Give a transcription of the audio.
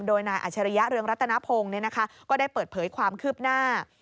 โดยนายอัชริยะเรืองรัตนพงศ์ก็ได้เปิดเผยความคืบหน้า